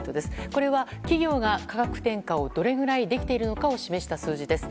これは企業が価格転嫁をどれくらいできているのかを示した数字です。